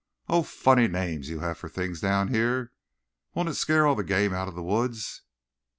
"Oh! Funny names you have for things down here. Won't it scare all the game out of the woods?"